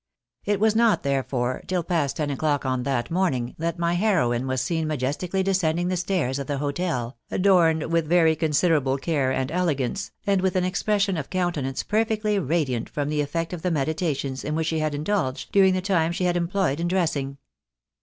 It was not, therefore, till past ten o'clock on that morning, that my heroine was seen majestically descending the stairs of the hotel, adorned with very considerable care and elegance, and with an expression of countenance perfectly radiant from the eifect of the meditations in which she had indulged during the time she had employed in dress ing.